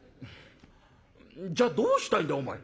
「じゃあどうしたいんだお前」。